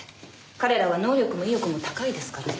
彼らは能力も意欲も高いですからね。